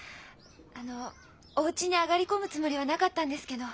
あのおうちに上がり込むつもりはなかったんですけど。